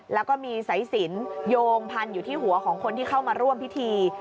แล้วก็มีสายสินโยงพันอยู่ที่หัวของคนที่เข้ามาร่วมพิธี